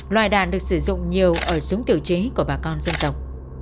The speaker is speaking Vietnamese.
loài đạn được sử dụng nhiều ở súng tiểu chế của bà con dân tộc